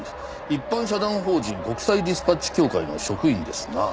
一般社団法人国際ディスパッチ協会の職員ですな。